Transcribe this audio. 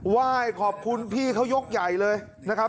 ไหว้ขอบคุณพี่เขายกใหญ่เลยนะครับ